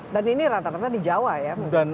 dan ini rata rata di jawa ya